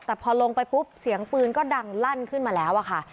แต่พอลงไปปุ๊บเสียงปืนก็ดังลั่นขึ้นมาแล้วอะค่ะ